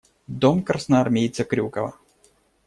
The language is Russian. Дом красноармейца Крюкова.